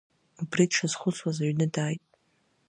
Убри дшазхәыцуаз аҩны дааит.